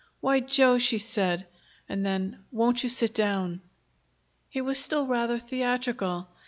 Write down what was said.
"Why, Joe!" she said, and then: "Won't you sit down?" He was still rather theatrical.